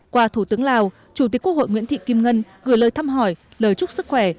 qua thủ tướng lào chủ tịch quốc hội nguyễn thị kim ngân gửi lời thăm hỏi lời chúc sức khỏe